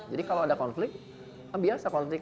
jadi kalau ada konflik biasa konflik